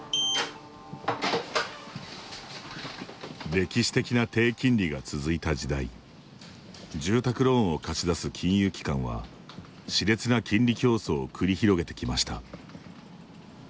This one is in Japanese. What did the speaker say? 歴史的な低金利が続いた時代住宅ローンを貸し出す金融機関はしれつな金利競争を繰り広げてきました。